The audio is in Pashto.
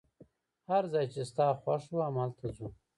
هر ځای چي ستا خوښ وو، همالته ځو.